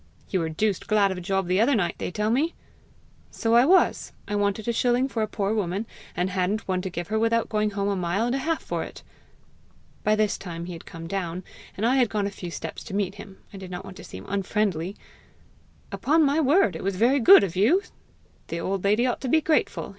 'You were deuced glad of a job the other night, they tell me!' 'So I was. I wanted a shilling for a poor woman, and hadn't one to give her without going home a mile and a half for it!' By this time he had come down, and I had gone a few steps to meet him; I did not want to seem unfriendly. 'Upon my word, it was very good of you! The old lady ought to be grateful!'